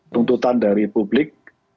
tuntutan dari publik